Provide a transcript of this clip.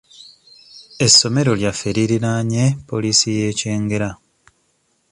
Essomero lyaffe lirinaanye poliisi y'e Kyengera.